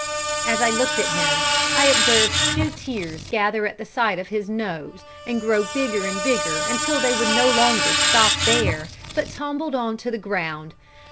As I looked at him, I observed two tears gather at the side of his nose, and grow bigger and bigger until they would no longer stop there, but tumbled on to the ground.